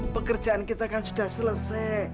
pekerjaan kita kan sudah selesai